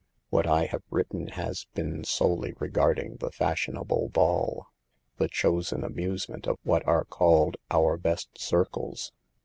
What I have written has been solely regarding the fashionable ball, the chosen amusement of what are called "our best circles."